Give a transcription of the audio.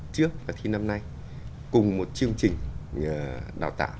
trước và thi năm nay cùng một chương trình đào tạo